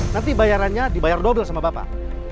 nanti bayarannya dibayar dobel sama bapak